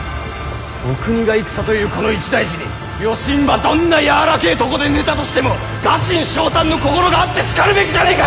お国が戦というこの一大事によしんばどんな柔らけぇ床で寝たとしても臥薪嘗胆の心があってしかるべきじゃねぇか！